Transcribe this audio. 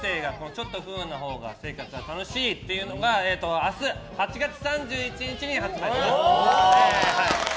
「ちょっと不運なほうが生活は楽しい」っていうのが明日、８月３１日に発売します。